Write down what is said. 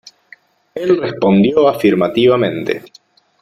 Él respondió afirmativamente.